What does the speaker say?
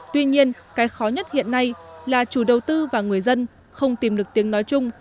tuy nhiên cái khó nhất hiện nay là chủ đầu tư và người dân không tìm được tiếng nói chung